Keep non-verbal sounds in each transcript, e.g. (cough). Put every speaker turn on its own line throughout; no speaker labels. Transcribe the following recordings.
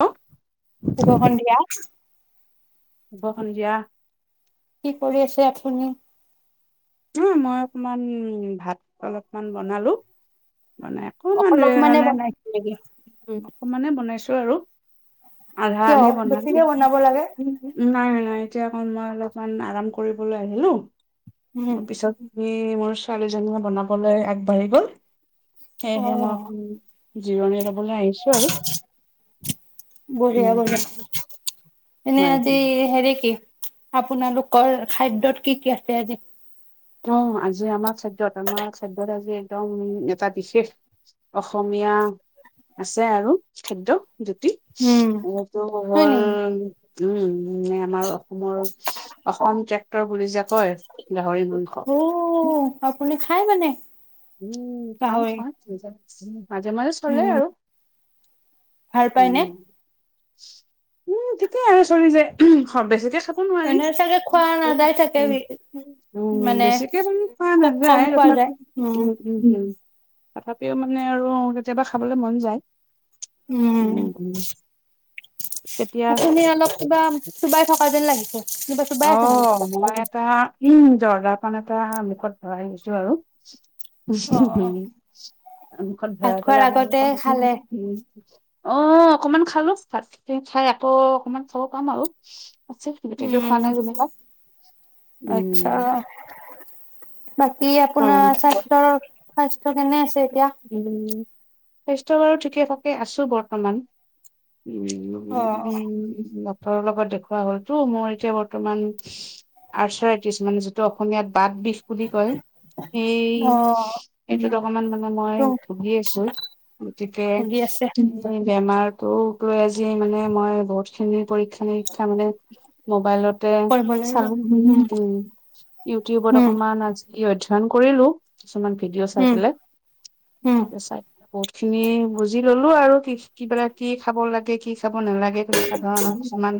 Hello.
শুভ সন্ধিয়া।
বখন দিয়া
কি কৰি আছে আখনি
উম মই অকমান ভাত অলপমান বনালো বনাই অকমানে
অলপ
মানে
বনাইছো নেকি?
অকমানে বনাইছো আৰু আধা
কিয়
আধি বনালো
বেছিকে বনাব লাগে।
নাই নাই তেতিয়া অকণ মই অলপমান আৰাম কৰিবলৈ আহিলো
উম
পিছত তুমি মোৰ ছোৱালীজনীয়ে বনাবলৈ আগবাঢ়ি গ'ল সে
অ
হে ম জিৱেৰে লৈ আহিছো আৰু
বঢ়িয়া বঢ়িয়া
উম
এনে
হয়
আজি হে দেকে আপোনালোকৰ খাদ্যয়ত কি কি আছে আজি
অ আজি আমাৰ খাদ্য়ত আমাৰ খাদ্যয়ত আজি একদম এটা বিশেষ অসমীয়া আছে আৰু খাদ্্য দুতি
উম। হয় নেকি
আৰুৰ উম মানে আমাৰ অসমৰ অসম ট্ৰেক্টৰ বুলি যে কয় গাহৰি গ
অ আপুনি খাই মানে
উম পাঁচ
গাহৰি
পাঁচজ উম মাজে মাজে চলে
উম
আৰু
ভাল পাই ন
উম উম ঠিকেই আৰু চলি যে বেছিকে খাব নোৱাৰি
এনে চাগে খোৱা নাযায় চাগে
উ
মানে
বেছিকে মানে খোৱা
খুব কম
নাযায় উ
খোৱা যায়। উম
তথাপিও মানে আৰু কেতিয়াবা খাবলৈ মন যায়
উম
তেতিয়া
আপুনি অলপ কিবা চোবাই থকা যেন লাগে
অ মই এটা ইম জৰ্দাৰ পান এটা মুখত ধৰাই আহছো আৰু
অ অ
মুখত
ভাত
ভৰাই
খোৱাৰ
পেলাই আমাৰ
আগতে খালে
দ অ অকমান খালো ভাত খিনি খাই আকৌ অকমান চাব পাম আৰু আছে স খানা
উম
ঘুমিলা উম
আচ্ছা বাকী
হয়।
আপোনাৰ স্বাস্থ্যৰ স্বাস্থ্য কেনে আছে এতিয়া
উম স্বাস্থ্য বাৰু ঠিকে থাকে আছোঁ বৰ্তমান উম উ (unintelligible) লগত দেখুওৱা হ'লটো মোৰ এতিয়া বৰ্তমান আৰ্চাৰটিছ মানে যিটো অসমীয়াত পাত বিস্ বুলি কয় সেই
অ
এইটোত অকমান মানে মই
টো
ভুগি আছো গতিকে
ভুগি আছে
বে বেমাৰতো লৈ আজি মানে মই বহুত খিনি পৰীক্ষা শিক্ষা মানে মোবাইলতে
কৰিব লাগিব
চালো উম ইউটিউবত
উম
অকমান আজ ই অধ্যয়ন কৰিলো কিছুমান ভিডিঅ' চাই
উম
পেলাই
উম
চাই বহুত খিনি বুজি ললো আৰু কি কিবা কি খাব লাগে কি চাব নালাগে তেনেকুৱা ধৰণৰান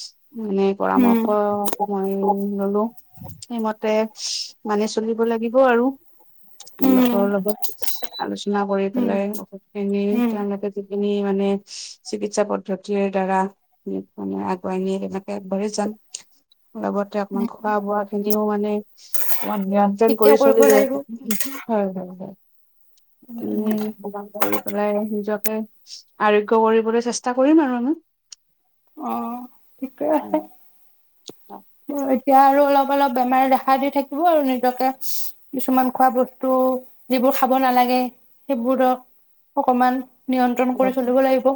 (inaudible) মানে
উম
পৰামৰ্শ (unintelligible) ললো সেইমতে মানে চলিব লাগিব আৰু
উম
লগৰ লগত আলোচনা কৰি
উম
পেলাই অশোস
উম
তেওঁকে যি (unintelligible) খিনি মানে চিকিৎসা পদ্ধতিৰ দ্বাৰা মানে আগুৱাই নিয়ে তেনেকে আগবাঢ়ি যাম লগতে অকমান
উম,
খোৱা বোৱা খিনিও মানে অমান নিয়ন্ত্ৰণ
ঠিকে
কৰি
কৰিব
চলিলে
লাগিব
হয় হয় হয় এ কৰি পেলাই নিজকে আৰোগ্য কৰিবলৈ চেষ্টা কৰিম আৰু আমি
অ ঠিকে আছে (unintelligible) এতিয়া আৰু অলপ অলপ বেমাৰ দেখা দি থাকিব আৰু নিজকে কিছুমান খোৱা বস্তু যিবোৰ খাব নালাগে সেইবোৰক অকমান নিয়ন্ত্ৰণ কৰি
বাকী
চলিব লাগিব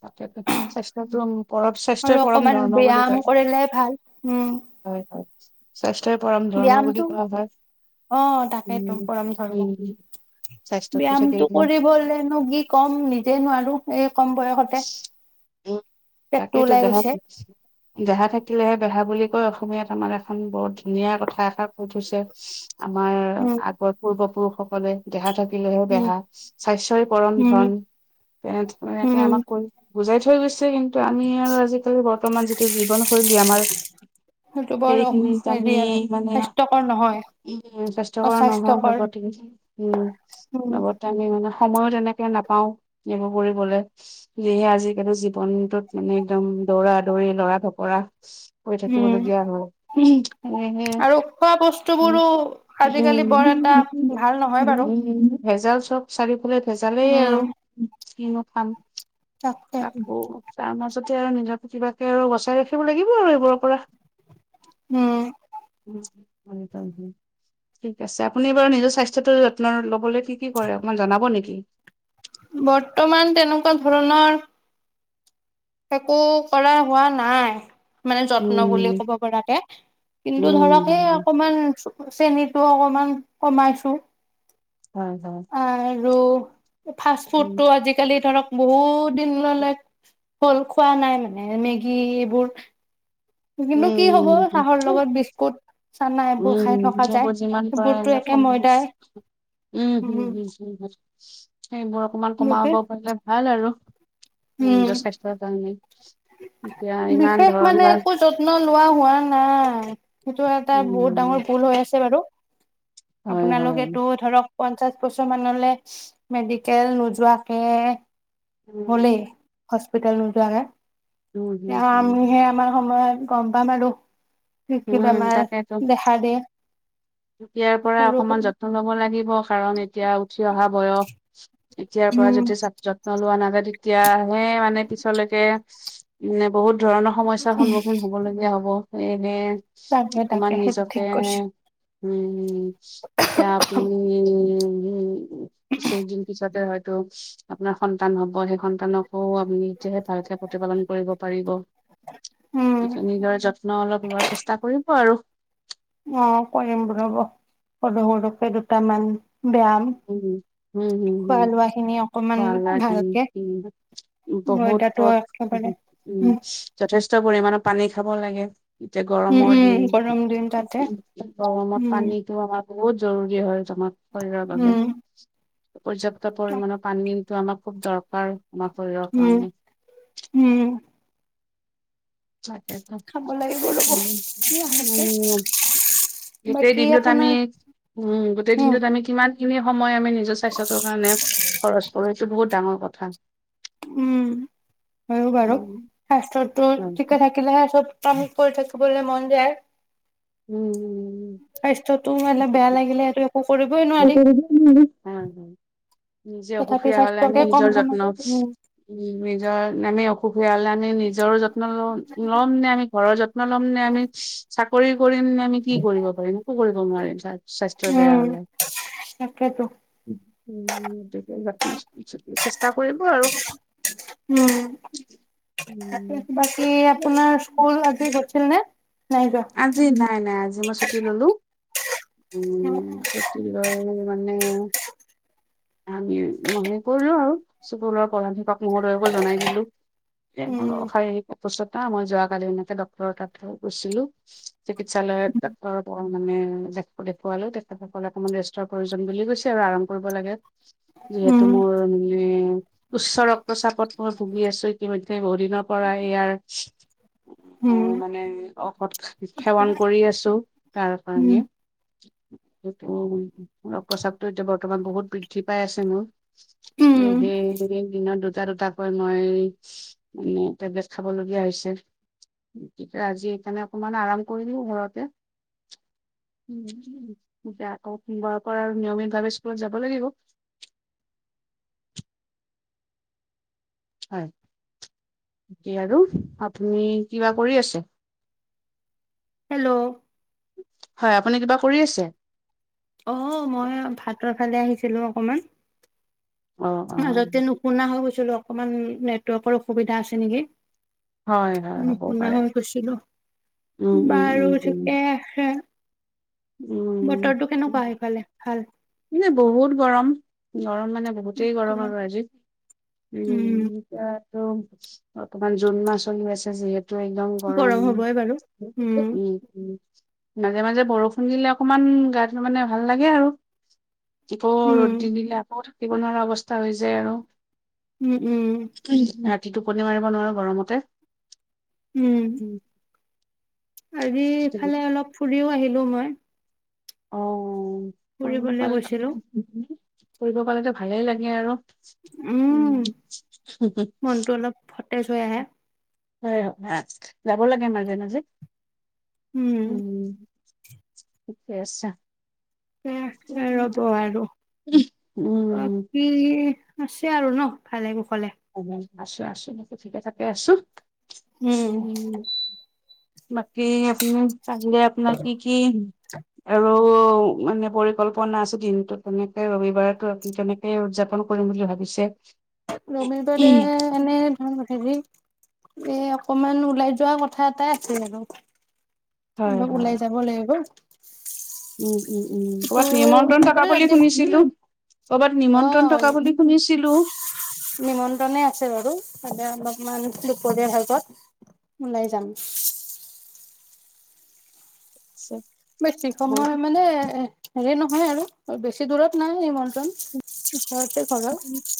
তাকে তো স্বাস্থ্য টো উম
আৰু অকমান বেয়াম কৰিলে ভাল উম
(inaudible) স্বাস্থ্যই পৰম ধৰ্ম বুলি
ব্যায়ামটো
কোৱা হয়
অ তাকেইতো
স্বাস্থ্যত
কামটো কৰিবলেনো কি ক'ম নিজে নোৱাৰো এই কম বয়সতে পেটটো
তাকেইো
ওলাই
দেহা চ
গৈছে
দেহা থাকিলেহে বহা বুলি কৈ অসমীয়াত আমাৰ এখন বৰ ধুনীয়া কথা এষাৰ কৈ থৈছে আমাৰ
উম
আগৰ পূৰ্বপুৰুষ সকলোৱে দেখা থাকে লহে
উম
বেহা স্বাস্থ্য়ই পৰম
উম
ধন এ এনেকে
উম
আমাক কৰি বুজাই থৈ গৈছে কিন্তু আমি আৰু আজিকালি বৰ্তমান যিটো জীৱনশৈলী আমাৰ
সেইটো বৰ
সেইখিনিত আমি
হেৰি আৰু
মানে
স্বাস্থ্যকৰ নহয়
উ স্বাস্থ্য়কৰ নহোৱাৰ
অস্বাস্থ্যকৰ
লগতে উম
উম
লগতে আমি মানে সময়ো তেনেকে নাপাও এইবোৰ কৰিবলে যিেহে আজিকালু জীৱনটোত যেনে একদম দৌৰা দৌৰি লৰা কৰা ই থতি
উম
মলো জ্ঞান হ উম
আৰু খোৱা বস্তুবোৰো
উম
আজিকালি বৰ এটা ভাল নহয়
উম,
বাৰু
ভেজাল চব চাৰিফালে ভেজালেই আৰু
উম
কিং অ খাম
তাকে
চাম তে আৰু নিজৰ কিবাকে আৰু বচাই ৰাখিব লাগিব আৰু এইবোৰৰ পৰা
উম
উম ঠিক আছে আপুনি বাৰু নিজৰ স্বাস্থ্্যটো যত্ন লবলৈ কি কি কৰে অকমান জনাব নেকি
বৰ্তমান তেনেকুৱা ধৰণৰ একো কৰা হোৱা নাই মানে যত্ন বুলি
উম
ক'ব পৰাকে কিন্তু ধৰক সেই
উম
অকমান চেনীতটো অকমান কমাইছো
হয় হয়
ৰ ফাষ্ট
উম
ফুডতটো আজিকালি ধৰক বহুত বিন্ন লাইক হল খোৱা নাই মানে মেগী এইবোৰ কিন্তু কি হব চাহৰ লগত বিস্কুট চ
উম সেইবোৰ যিমান পাৰে
একে
উম
ময়দাই
হম হ
উম
হ উ সেইবোৰ অকমান কমাব
বিশেষ
পাৰিলে ভাল আৰু নম
উম
য চেষ্ট কাৰণে এতিয়া ইমান
বিশেষ মানে
ধৰণৰ
একো যত্ন লোৱা হোৱা না অ সেইটো এটা বহুত ডাঙৰ
উম
ভুল হৈ আছে বাৰু
হয় হয়
আপোনালোকেতটো ধৰক পঞ্চাশ বছৰ মানলৈ মেডিকেল নোযোৱাকে বলে
উম
সঁচা হস্পিটেল নোজোৱাকে?
উম, হম
এয়া
হম
আমিহে আমাৰ সময়ত গম পাম আৰু। কি, কি
উম
বেমাৰ
তাকেতো
দেখা দিয়ে।
এতিয়াৰ পৰা
সৰু
অকণমান
সৰু
যত্ন ল'ব লাগ লাগিব কাৰণ এতিয়া উঠি অহা বয়স। এতিয়াৰ পৰা
উম
যদি যত্ন লোৱা নাযায়। তেতিয়া এ, মানে পিছলৈকে মানে বহুত ধৰণৰ সমস্যাৰ সন্মুখীন হবলগীয়া হ'ব। এনে
তাকে তাকে
অকমান
সেইটো ঠিক
নিজকে
কৈছে
উম, এতিয়াআপুনি- উম, হুম। কিছু দিনপিছতে হয়। আপোনাৰ সন্তান হব। সেই সন্তানকো আপুনি নিতিয়াহে ভালকে প্ৰতিপালন কৰিব পাৰিব।
উম
তেতিয়া নিদৰে যত্ন ন, অলপ লোৱাৰ চেষ্টা কৰিব আৰু
অ, কৰিম ৰ ৰব। সৰু, সৰুকে দুটামান ব্যায়াম
মম, হ,
খোৱা লোৱা খিনি অকমান
বা
ভালকে
উ, বহুত
ময়দাটো একেবাৰে
উ
উম
যথেষ্ট পৰিমণৰ পানী খাব লাগে। এতিয়া
উম
গৰমৰ দিন।
উম গৰম দিন তাতে
গৰমত
উম
পানীটো আমাৰ বহুত জৰুৰী হয়। শৰীৰ বাবে।
উম।
পৰ্যাপ্ত পৰিমাণৰ পানী ইটো আমাক খুব দৰকাৰ। আমৰ শৰীৰৰ
উম
কাৰণে
উম
তাক
খাব লাগিব ৰ'ব
উ
লাহেকে বাকী
গোটেই-দিনটোত আমি
আপোনাৰ
উম গোটেই
উম
দিনটোত আমি কিমানখিনি সময় আমি নিজৰ স্বাস্থ্যটোৰ কাৰণে খৰচ কৰি এইটো বহুত ডাঙৰ কথা
উম হয়ো বাৰু
উম
স্বাস্থত ত
উম
চঠিকে থাকিলে চব কাম কৰি থাকেিবলে মন যায়
উম
স্বাস্থ্যটো মানে বেয়া লাগিলে সেইটো একো কৰিবই নোৱাৰি
উম নিজে
তথাপি
অসুখীয়া হলে আমি
স্বাস্থ্যকে কম
নিজৰ
সময়
যত্ন
উম
উ নিজৰ আমি অ পুলে আমি নিজৰ যত্ন ল ল'ম ন আমি ঘৰৰ যত্ন ল'ম নে আমি কৰিম নে আমি কি কৰিব পাৰিম একো কৰিব নোৱাৰিম স্বাস্থ্যৰ বেয়া
উম
হলে উম যত্ন চেষ্টা কৰিব আৰু
উমি
উম
বাকী আপোনাৰ স্কুল আজি হছিল নে নাই যোৱা
আজি নাই নাই আজি মই ছুটি ললো উম তয় মানে আমি মনে কৰিলো আৰু চুবৰ পলাধিকক মদয়কো জনাই দিলো
উম
পাছত অ মই যোৱ কালি এে ড্টৰৰ তাত গৈছিলো চিকিৎসালয়ত ড্তৰৰ মানে দেখ দেখুৱালো তেখেতসকলে অকমান ৰেষ্টৰ প্ৰয়োজন বুলি গৈছে আৰু আৰাম কৰিব লাগে যিহেতু
উম
মোৰ মানে উচ্চ ৰক্তচাপত মই ভুগি আছো ইতিমধ্য়ে বহু দিনৰ পৰা ইয়াৰ
উম
মানে ঔষৎ সেৱন কৰি আছো তাৰ
উম
কাৰণে সেই ৰ প্ৰস্ৰাপতটো এতিয়া বৰ্তমান বহুত বৃদ্ধি পাই আছে নো এ
উম
হে দি দুটা দুটাকৈ মই মানে টেবলেট খাবলগীয়া হৈছে গ আজি সেইকাৰণে আৰাম কৰি দি ঘৰতেতি আকৌব আৰু নিয়মিতভাৱে স্কুলত যাব লাগিব হয় সে আৰু আপুনি কিবা কৰি আছে
হেল্ল'
হয় আপুনি কিবা কৰি আছে
অ মই ভাতৰ ফালে আহিছিলো অকমান
অ অ
মাজতে নুশুনা হৈ গৈছিলৌ অ অকমান নেটৱৰ্কৰ অসুবিধা আছে নেকি
হয় হয়
উ
হ'বও
শুনা
পাৰে।
হৈ গৈছিলো
উম উম
বাৰু ঠিক আছে বতৰটো কেনেকুৱা সেইফালে ভাল
উ এ বহুত গৰম গৰম মানে বহুতেই গৰম আৰু আজি উম ত বৰ্তমান জুন মাহ চলি আছে যিহেতু টো একদম গৰম
হ'বই বাৰু উম
উ উ মাজে মাজে বৰষুণ শুনিলে অকমান গাটো মানে ভাল লাগে আৰু কি কউ
উম
ৰ'দ দি নিলে আ থাকিব নোৱাৰা অৱস্থা হৈ যায় আৰু
উম উম
কি তি টোপনি মাৰিব নোৱাৰো গৰমতে
উম আজি ইফালে অলপ ফুৰিও আহি হেল্ল' মই
অ অ পঢ়িব
ফুৰিবলৈ
পালে।
গৈছিলো
ফুৰি পালেতো ভালেই লাগে আৰু
উম মনটো অলপ ভ তাৰপিছত সেয়া।
হয় হয় আ যাব লাগে মাজে মাজে উম আছা
কে ৰব আৰু
উম
বাকী আছে আৰু ন ভালে কো
উ আছো আছো আ ঠিকে থাকে আছো উম বাকী আপুনি কাললে আপোনাৰ কি কি আৰু মানে পৰিকল্পনা আছে দিনটো তেনেকে ৰবিবাৰো কেনেকে উদযাপন কৰিম বুলি ভাবিছে
ৰমিব দে এনে ভাল। হেৰি এই অকমান ওলাই যোৱা কথা এটাই আছিল আৰু
হয়
অলপ ওলাই
হয়
যাব লাগিব
উম উম উম
ত'
কৰবাত নিমন্ত্ৰণ থকা
একেবাৰে
বুলি
ৰাতি
শুনিছিলো কৰবাত
অ
নিমন্ত্ৰণ থকা বুলি শুনিছিলো
মানুহ (unintelligible) ওলাই যাম বেছি সম
বহুত
মানে হে নহয় আৰু বেছি দূৰত নাই এই নিমন্ত্ৰন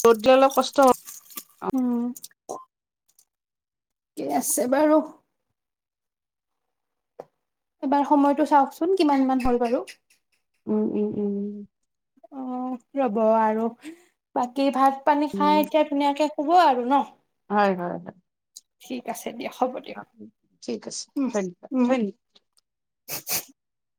ৰ'দ দিয়াই অলপ কষ্ট হ
উম। কে আছে বাৰু। এবাৰ সময়টো চাওকচোন কিমান মান হ'ল বাৰু।
উম, উম, উম।
অ', ৰ'ব আৰু বাকী ভাত পানী
উম
খাই এতিয়া ধুনীয়াকে শুব আৰু ব, ন?
হয়, হয়, হয়।
ঠিক আছে। দিয়ক হ'ব দিয়ক
অ', ঠিক আছে,
উম
ধন্যবাদ,
উম
ধন্যবাদ।
(inaudible)